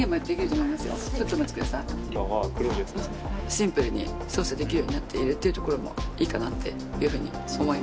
シンプルに操作できるようになっているっていうところもいいかなっていうふうに思いました。